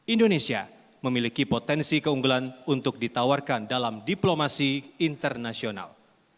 indonesia memiliki potensi keunggulan untuk ditawarkan dalam diplomasi internasional